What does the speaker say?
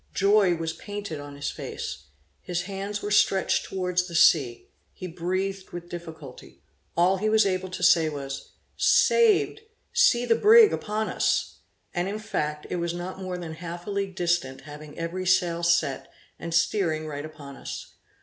Joy was painted upon his face; his hands were stretched towards the sea; he breathed with difficulty. All he was able to say was; 'SAVED! SEE THE BRIG UPON US!' and in fact it was not more than half a league distant having every sail set, and steering right upon us.